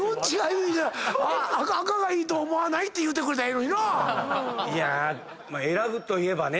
「赤がいいと思わない？」って言うてくれたらええのになぁ。